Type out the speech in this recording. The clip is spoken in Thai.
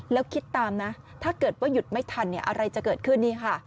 แล้วคิดตามนะถ้าเกิดว่าหยุดไม่ทันอะไรจะเกิดขึ้นนี่ค่ะ